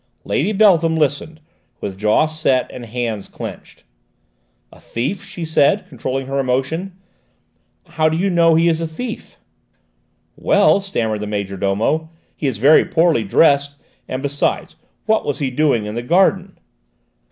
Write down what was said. Lady Beltham listened, with jaw set and hands clenched. "A thief?" she said, controlling her emotion. "How do you know he is a thief?" "Well," stammered the major domo, "he is very poorly dressed, and besides, what was he doing in the garden?"